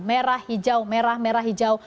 merah hijau merah merah hijau